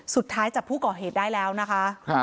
สุดท้ายจับผู้ก่อเหตุได้แล้วนะคะ